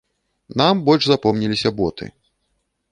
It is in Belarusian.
Нам больш запомніліся боты.